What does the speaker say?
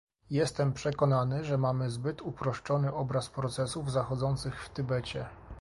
Jestem przekonany, że mamy zbyt uproszczony obraz procesów zachodzących w Tybecie